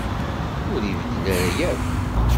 Ur ibeddel ara akk.